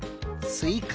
「すいか」。